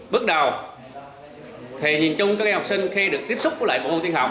bước đầu thì nhìn chung các em học sinh khi được tiếp xúc với lại bộ môn tiên học